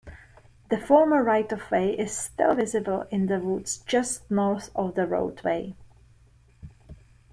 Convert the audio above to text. The former right-of-way is still visible in the woods just north of the roadway.